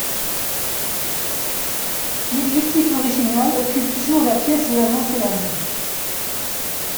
L'objectif original occupe toujours la pièce de la lanterne.